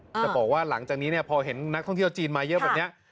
จะบอกว่าหลังจากนี้พอเห็นนักท่องเที่ยวจีนมาเยอะแบบนี้